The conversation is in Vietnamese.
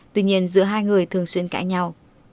tuy nhiên giữa hai người thường xuyên cãi nhau